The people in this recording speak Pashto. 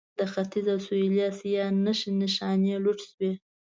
د ختیځ او سویلي اسیا نښې نښانې لوټ شوي.